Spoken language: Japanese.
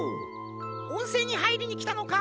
おんせんにはいりにきたのか？